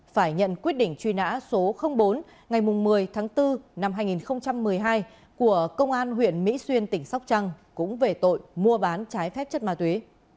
phải nhận quyết định truy nã số bốn ngày một mươi tháng bốn năm hai nghìn một mươi hai của công an huyện mỹ xuyên tỉnh sóc trăng cũng về tội mua bán trái phép chất ma túy